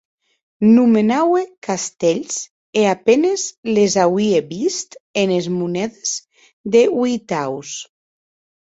Nomenaue castèths e a penes les auie vist enes monedes de ueitaus.